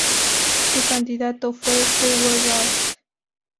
Su candidato fue Uwe Barth.